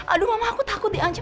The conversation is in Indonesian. aduh mama aku takut diancam